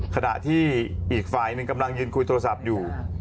ขณะที่อีกฝ่ายหนึ่งกำลังยืนคุยโทรศัพท์อยู่